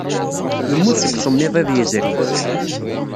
Yemmut seg usemmiḍ iḍ yezrin.